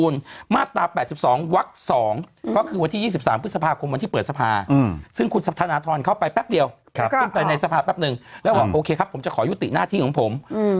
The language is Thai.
แล้วบอกโอเคครับผมจะขอยุติหน้าที่ของผม